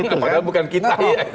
apalagi bukan kita